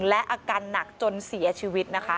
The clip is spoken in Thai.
และอาการหนักจนเสียชีวิตนะคะ